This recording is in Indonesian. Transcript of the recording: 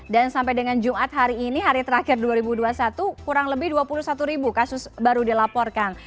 dan sampai dengan jumat hari ini hari terakhir dua ribu dua puluh satu kurang lebih dua puluh satu ribu kasus baru dilaporkan